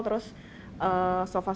terus sofa sofa itu juga banyak banget